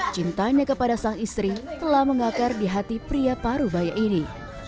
cintanya kepada sang istri telah mengakar di hati pria parubaya ini